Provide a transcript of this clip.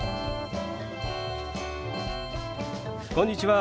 こんにちは。